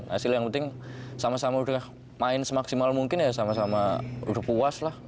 hasil yang penting sama sama udah main semaksimal mungkin ya sama sama udah puas lah